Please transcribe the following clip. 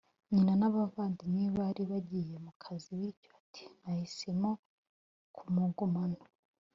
nyina n’abavandimwe be bari bagiye mu kazi bityo ati “Nahisemo kumugumana